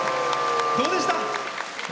どうでした？